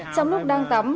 trong lúc đang tắm